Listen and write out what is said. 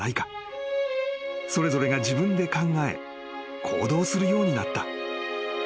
［それぞれが自分で考え行動するようになった］